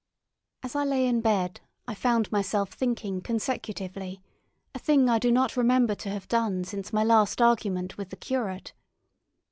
As I lay in bed I found myself thinking consecutively—a thing I do not remember to have done since my last argument with the curate.